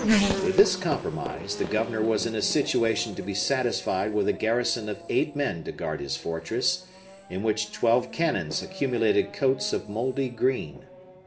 With this compromise, the governor was in a situation to be satisfied with a garrison of eight men to guard his fortress, in which twelve cannons accumulated coats of moldy green.